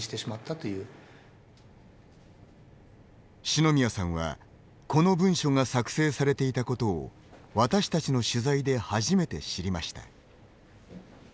四ノ宮さんはこの文書が作成されていたことを私たちの取材で初めて知りました。